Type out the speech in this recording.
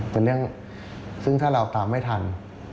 เป็นเรื่องซึ่งถ้าเราตามไม่ทัน